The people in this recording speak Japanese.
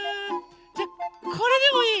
じゃこれでもいい？